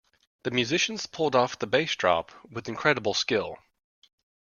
The musicians pulled off the bass drop with incredible skill.